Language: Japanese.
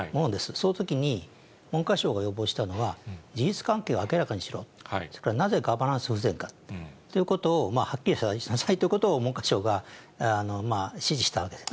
そのときに文科省が要望したのは、事実関係を明らかにしろ、それからなぜガバナンス不全かということを、はっきりしなさいということを、文科省が指示したわけです。